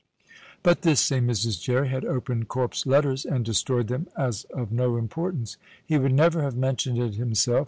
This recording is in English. (But this same Mrs. Jerry had opened Corp's letters and destroyed them as of no importance.) "He would never have mentioned it himself.